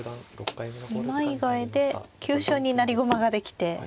急に二枚替えで急所に成駒ができて。